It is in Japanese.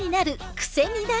クセになる！